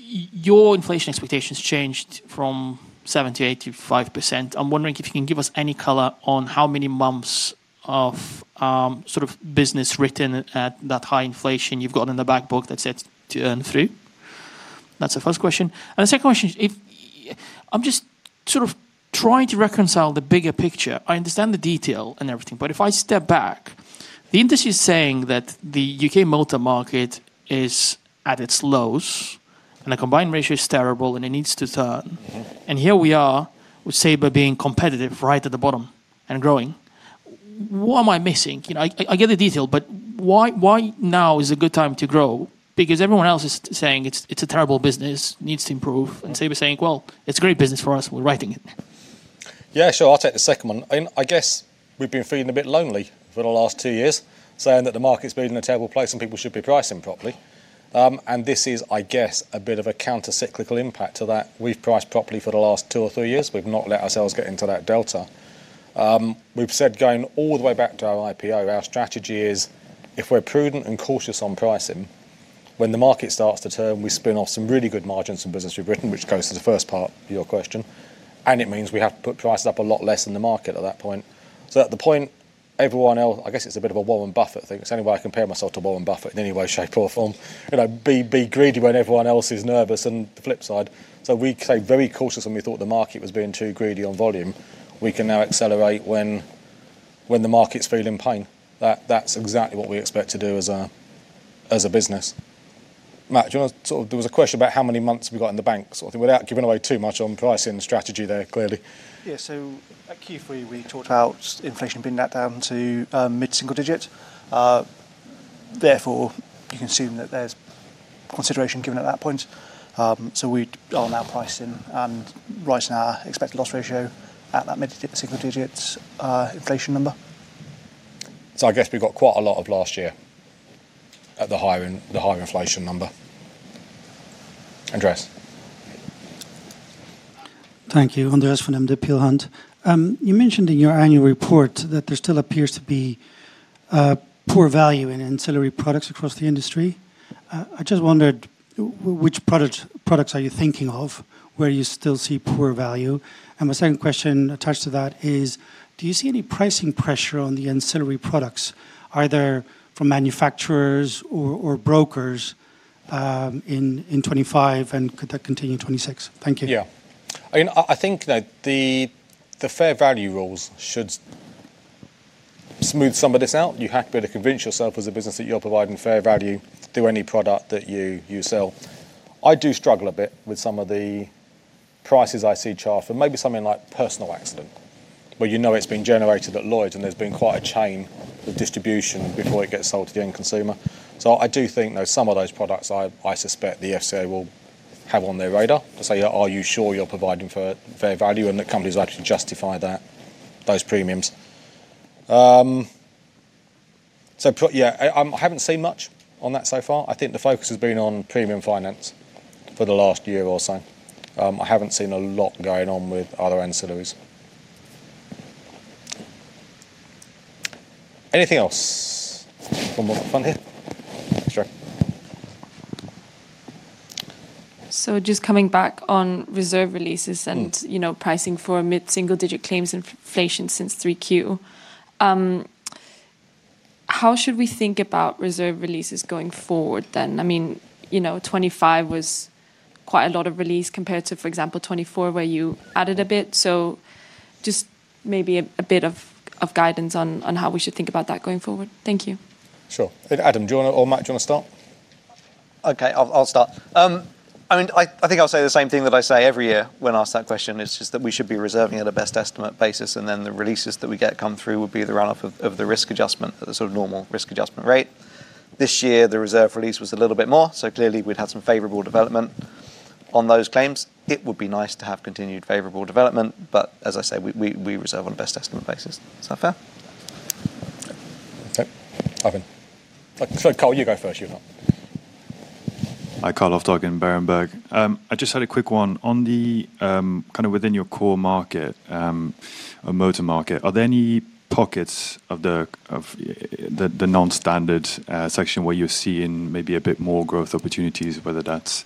your inflation expectations changed from 7%-8% to 5%. I'm wondering if you can give us any color on how many months of sort of business written at that high inflation you've got in the back book that's yet to earn through. That's the first question. The second question, I'm just sort of trying to reconcile the bigger picture. I understand the detail and everything, but if I step back, the industry is saying that the U.K. motor market is at its lows, and the combined ratio is terrible, and it needs to turn. Here we are with Sabre being competitive right at the bottom and growing. What am I missing? You know, I get the detail, but why now is a good time to grow? Because everyone else is saying it's a terrible business, needs to improve. Sabre's saying, "Well, it's great business for us. We're writing it. Yeah, sure. I'll take the second one. I guess we've been feeling a bit lonely for the last two years saying that the market's been in a terrible place and people should be pricing properly. This is, I guess, a bit of a countercyclical impact to that. We've priced properly for the last two or three years. We've not let ourselves get into that delta. We've said going all the way back to our IPO, our strategy is if we're prudent and cautious on pricing, when the market starts to turn, we spin off some really good margins from business we've written, which goes to the first part of your question, and it means we have to put prices up a lot less than the market at that point. At the point everyone else, I guess it's a bit of a Warren Buffett thing. It's the only way I compare myself to Warren Buffett in any way, shape, or form. You know, be greedy when everyone else is nervous, and the flip side. We stayed very cautious when we thought the market was being too greedy on volume. We can now accelerate when the market's feeling pain. That's exactly what we expect to do as a business. Matt, there was a question about how many months we got in the bank, sort of without giving away too much on pricing strategy there, clearly. At Q3, we talked about inflation being down to mid-single digit. Therefore, you can assume that there's consideration given at that point. We are now pricing our expected loss ratio at that mid-single digits inflation number. I guess we've got quite a lot of last year at the higher inflation number. Andreas. Thank you. Andreas from Peel Hunt. You mentioned in your annual report that there still appears to be poor value in ancillary products across the industry. I just wondered which product, products are you thinking of where you still see poor value? My second question attached to that is, do you see any pricing pressure on the ancillary products, either from manufacturers or brokers, in 2025 and could that continue in 2026? Thank you. Yeah. I mean, I think that the fair value rules should smooth some of this out. You have to be able to convince yourself as a business that you're providing fair value through any product that you sell. I do struggle a bit with some of the prices I see charged for maybe something like personal accident, where you know it's been generated at Lloyd's, and there's been quite a chain of distribution before it gets sold to the end consumer. I do think there's some of those products I suspect the FCA will have on their radar to say, "Are you sure you're providing fair value?" The companies actually justify that, those premiums. Yeah, I haven't seen much on that so far. I think the focus has been on premium finance for the last year or so. I haven't seen a lot going on with other ancillaries. Anything else from up front here? Sure. Just coming back on reserve releases. Mm. You know, pricing for mid-single digit claims inflation since 3Q. How should we think about reserve releases going forward? I mean, you know, 2025 was quite a lot of release compared to, for example, 2024, where you added a bit. Just maybe a bit of guidance on how we should think about that going forward. Thank you. Sure. Adam, do you wanna or Matt, do you wanna start? Okay, I'll start. I mean, I think I'll say the same thing that I say every year when asked that question is just that we should be reserving at a best estimate basis, and then the releases that we get come through will be the run off of the risk adjustment at the sort of normal risk adjustment rate. This year, the reserve release was a little bit more, so clearly we'd had some favorable development on those claims. It would be nice to have continued favorable development, but as I said, we reserve on best estimate basis. Is that fair? Okay. Ivan. Sorry, Carl, you go first. You have. Hi. [Tryggvi Guðmundsson], Berenberg. I just had a quick one. On the kinda within your core market, motor market, are there any pockets of the non-standard section where you're seeing maybe a bit more growth opportunities, whether that's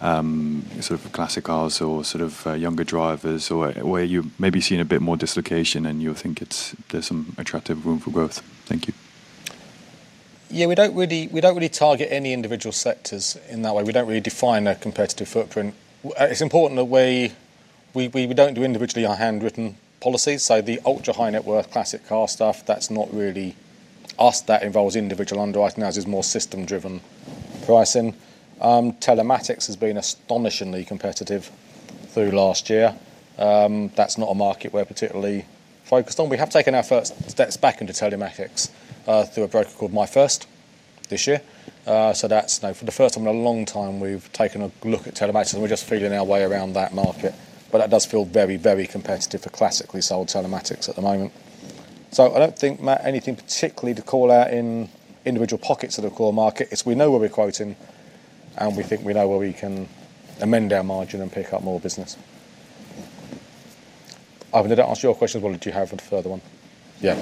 sort of classic cars or sort of younger drivers or where you're maybe seeing a bit more dislocation and you think there's some attractive room for growth? Thank you. Yeah, we don't really target any individual sectors in that way. We don't really define a competitive footprint. It's important that we don't do individually our handwritten policies. The ultra-high net worth classic car stuff, that's not really us. That involves individual underwriting as it's more system driven pricing. Telematics has been astonishingly competitive through last year. That's not a market we're particularly focused on. We have taken our first steps back into telematics through a broker called MyFirst this year. That's, you know, for the first time in a long time we've taken a look at telematics, and we're just feeling our way around that market. That does feel very, very competitive for classically sold telematics at the moment. I don't think, Matt, anything particularly to call out in individual pockets of the core market. As we know where we're quoting, and we think we know where we can amend our margin and pick up more business. Ivan, did I answer your question? What did you have for the further one? Yeah.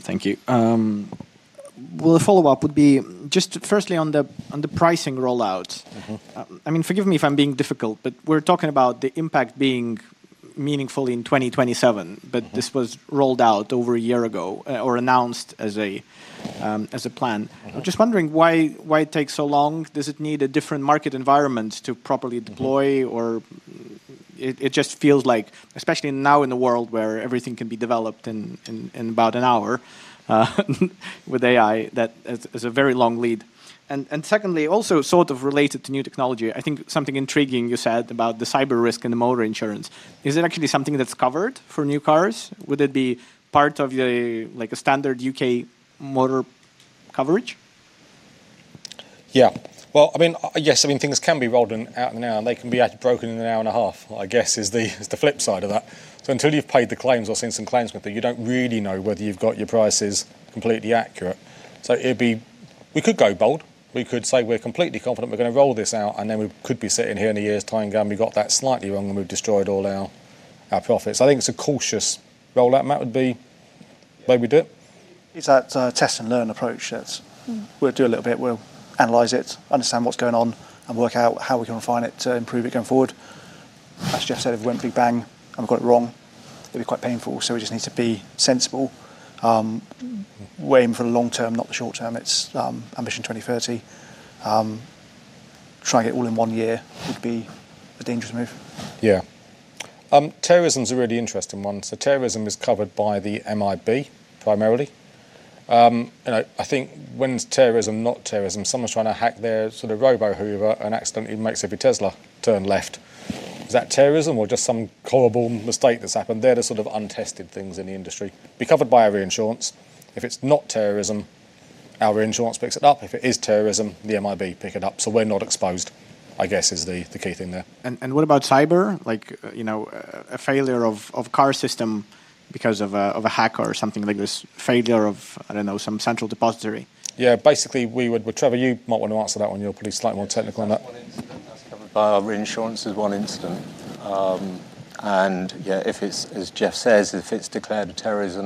Thank you. Well, the follow-up would be just firstly on the pricing rollout. Mm-hmm. I mean, forgive me if I'm being difficult, but we're talking about the impact being meaningful in 2027. Mm-hmm. This was rolled out over a year ago or announced as a plan. Mm-hmm. I'm just wondering why it takes so long. Does it need a different market environment to properly deploy- Mm-hmm. It just feels like, especially now in a world where everything can be developed in about an hour with AI, that is a very long lead. Secondly, also sort of related to new technology, I think something intriguing you said about the cyber risk and the motor insurance. Is it actually something that's covered for new cars? Would it be part of a, like a standard U.K. motor coverage? Yeah. Well, I mean, yes, things can be rolled out now, and they can be broken in an hour and a half, I guess, is the flip side of that. Until you've paid the claims or seen some claims with it, you don't really know whether you've got your prices completely accurate. It'd be. We could go bold. We could say we're completely confident we're gonna roll this out, and then we could be sitting here in a year's time going, "We got that slightly wrong, and we've destroyed all our profits." I think it's a cautious rollout, Matt, would be way we do it. It's that test and learn approach that we'll do a little bit. We'll analyze it, understand what's going on, and work out how we can refine it to improve it going forward. As Geoff said, if we went big bang and we got it wrong, it'd be quite painful, so we just need to be sensible. Waiting for the long term, not the short term. It's our Ambition 2030. Trying it all in one year would be a dangerous move. Yeah. Terrorism is a really interesting one. Terrorism is covered by the MIB primarily. You know, I think when's terrorism not terrorism? Someone's trying to hack their sort of robo hoover, and accidentally makes every Tesla turn left. Is that terrorism or just some horrible mistake that's happened? They're the sort of untested things in the industry. Be covered by our reinsurance. If it's not terrorism, our reinsurance picks it up. If it is terrorism, the MIB pick it up. We're not exposed, I guess, is the key thing there. What about cyber? Like, you know, a failure of car system because of a hack or something like this. Failure of, I don't know, some central depository. Well, Trevor, you might wanna answer that one. You're probably slightly more technical on that. One incident that's covered by our reinsurance is one incident. If it's, as Geoff says, if it's declared a terrorist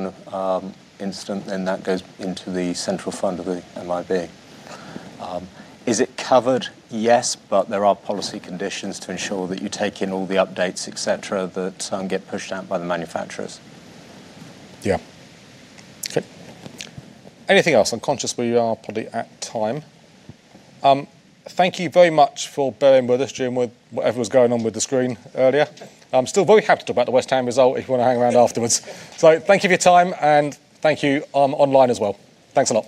incident, then that goes into the central fund of the MIB. Is it covered? Yes. There are policy conditions to ensure that you take in all the updates, et cetera, that get pushed out by the manufacturers. Yeah. Okay. Anything else? I'm conscious we are probably at time. Thank you very much for bearing with us during whatever was going on with the screen earlier. I'm still very happy to talk about the West Ham result if you wanna hang around afterwards. Thank you for your time, and thank you, online as well. Thanks a lot.